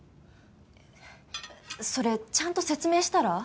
えっそれちゃんと説明したら？